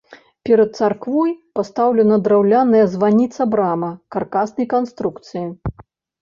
Перад царквой пастаўлена драўляная званіца-брама каркаснай канструкцыі.